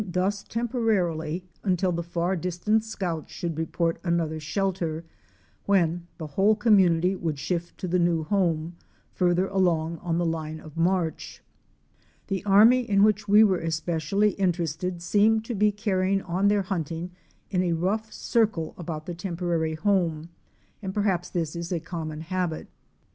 thus temporarily until the far distant scouts should report another shelter, when the whole community would shift to the new home, farther along on the line of march. The army in which we were especially interested seemed to be carrying on their hunting in a rough circle about the temporary home, and perhaps this is a common habit.